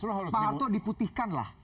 pak harto diputihkanlah